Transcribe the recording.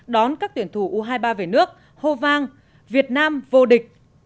đón các tuyển thủ u hai mươi ba về nước hô vang việt nam vô địch